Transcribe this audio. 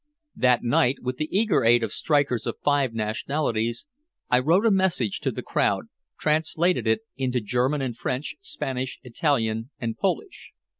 That night, with the eager aid of strikers of five nationalities, I wrote a message to the crowd, translated it into German and French, Spanish, Italian and Polish.